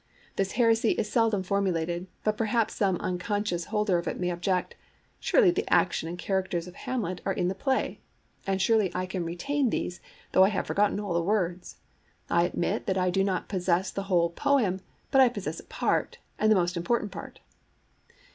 This heresy is seldom formulated, but perhaps some unconscious holder of it may object: 'Surely the action and the characters of Hamlet are in the play; and surely I can retain these, though I have forgotten all the words. I admit that I do not possess the whole poem, but I possess a part, and the most important part.'